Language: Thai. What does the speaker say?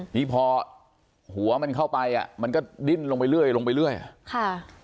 นี่พอหัวมันเข้าไปอ่ะมันก็ดิ้นลงไปเรื่อยลงไปเรื่อยอ่ะค่ะ